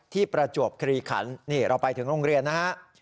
ประจวบคลีขันนี่เราไปถึงโรงเรียนนะฮะ